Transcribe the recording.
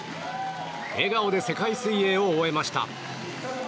笑顔で世界水泳を終えました。